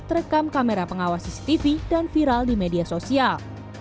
terekam kamera pengawas cctv dan viral di media sosial